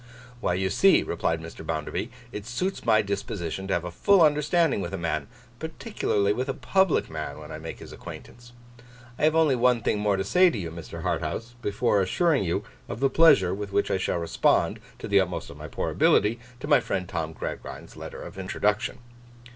'Why, you see,' replied Mr. Bounderby, 'it suits my disposition to have a full understanding with a man, particularly with a public man, when I make his acquaintance. I have only one thing more to say to you, Mr. Harthouse, before assuring you of the pleasure with which I shall respond, to the utmost of my poor ability, to my friend Tom Gradgrind's letter of introduction.